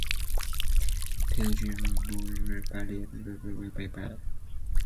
Peugeot's badge, the lion rampant, is derived from the town's coat-of-arms.